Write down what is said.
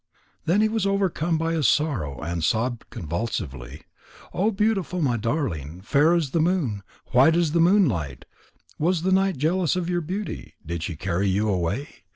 Then he was overcome by his sorrow and sobbed convulsively. "Oh, Beautiful, my darling! Fair as the moon! White as the moonlight! Was the night jealous of your beauty; did she carry you away?